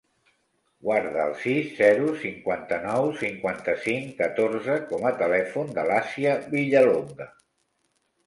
Guarda el sis, zero, cinquanta-nou, cinquanta-cinc, catorze com a telèfon de l'Àsia Villalonga.